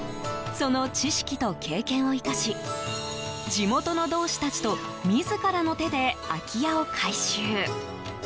その知識と経験を生かし地元の同志たちと自らの手で空き家を改修。